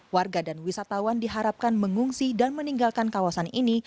warga dan wisatawan diharapkan mengungsi dan meninggalkan kawasan ini